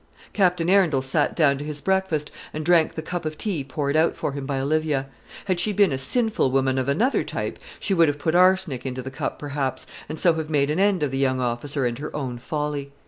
Captain Arundel sat down to his breakfast, and drank the cup of tea poured out for him by Olivia. Had she been a sinful woman of another type, she would have put arsenic into the cup perhaps, and so have made an end of the young officer and of her own folly.